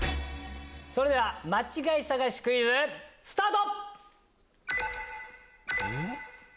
それでは間違い探しクイズスタート！